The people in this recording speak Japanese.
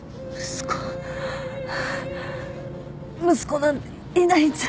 息子なんていないんじゃ。